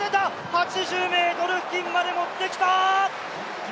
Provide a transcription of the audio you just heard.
８０ｍ付近まで持ってきた！